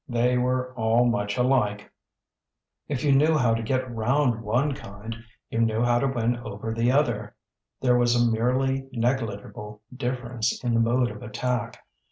They were all much alike: if you knew how to get round one kind, you knew how to win over the other; there was a merely negligible difference in the mode of attack.